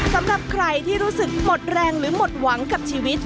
สำหรับใครที่รู้สึกหมดแรงหรือหมดหวังกับชีวิต